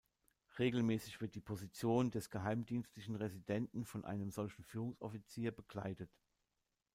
Regelmäßig wird die Position des geheimdienstlichen Residenten von einem solchen Führungsoffizier bekleidet.